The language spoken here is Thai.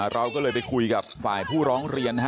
เราก็เลยไปคุยกับฝ่ายผู้ร้องเรียนนะฮะ